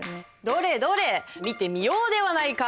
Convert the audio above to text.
どれどれ見てみようではないか。